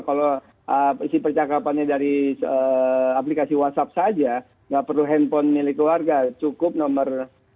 kalau isi percakapannya dari aplikasi whatsapp saja nggak perlu handphone milik warga cukup nomor